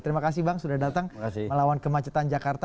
terima kasih bang sudah datang melawan kemacetan jakarta